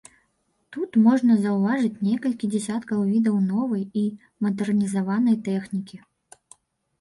Тут можна заўважыць некалькі дзясяткаў відаў новай і мадэрнізаванай тэхнікі.